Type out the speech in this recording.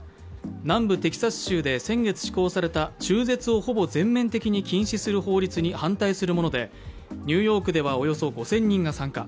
南部テキサス州で先月施行された中絶をほぼ全面的に禁止する法律に反対するもので、ニューヨークではおよそ５０００人が参加。